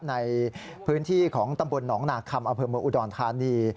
ในพื้นที่ของตำบลน้องหนาคคัมออุดอลธานี